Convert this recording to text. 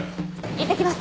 いってきます！